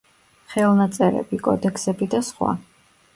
ხელნაწერები, კოდექსები და სხვა.